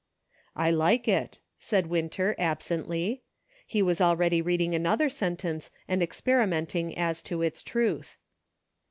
" I like it," said Winter, absently; he was already reading another sentence and experimenting as to its ^ruth.